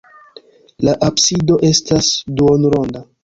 La absido estas duonronda.